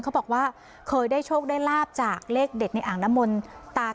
เขาบอกว่าเคยได้โชคได้ลาบจากเลขเด็ดในอ่างน้ำมนต์